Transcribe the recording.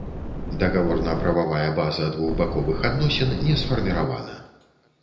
Дагаворна-прававая база двухбаковых адносін не сфарміравана.